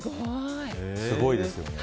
すごいですよね。